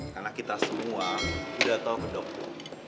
karena kita semua udah tau gendong lo